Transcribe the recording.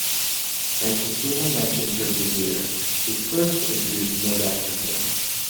And Cassima mentions her Vizier, who first introduced Mordack to her.